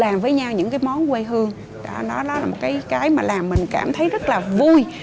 làm với nhau những cái món quê hương nó là một cái mà làm mình cảm thấy rất là vui